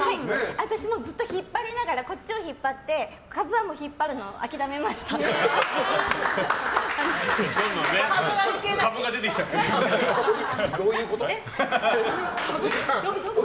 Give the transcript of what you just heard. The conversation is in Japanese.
私もずっと引っ張りながらズボンを引っ張ってカブを引っ張るのをどんどんどういうこと？